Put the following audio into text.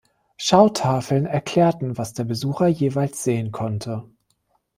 Schautafeln erklärten, was der Besucher jeweils sehen konnte.